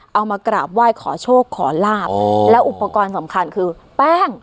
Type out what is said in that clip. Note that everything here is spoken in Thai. เอามากราบไหว้ขอโชคขอลาบแล้วอุปกรณ์สำคัญคือแป้ง